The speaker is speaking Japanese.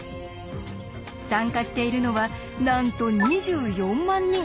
参加しているのはなんと２４万人！